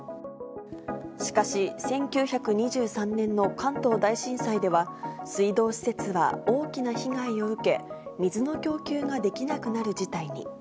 しかし、１９２３年の関東大震災では、水道施設は大きな被害を受け、水の供給ができなくなる事態に。